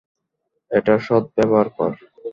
এটার সদব্যবহার কর।